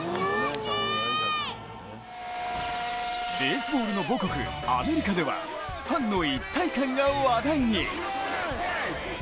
ベースボールの母国アメリカではファンの一体感が話題に。